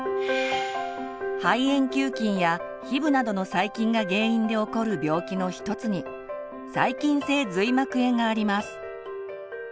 肺炎球菌やヒブなどの細菌が原因で起こる病気の一つに「細菌性髄膜炎」があります。